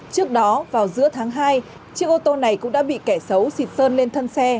trước đó vào giữa tháng hai chiếc ô tô này cũng đã bị kẻ xấu xịt sơn lên thân xe